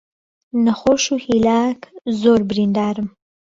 نهخۆش و هیلاک زۆر بریندارم